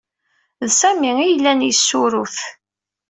D Sami ay yellan yessurrut.